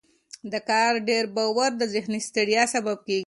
د کار ډیر بار د ذهني ستړیا سبب کېږي.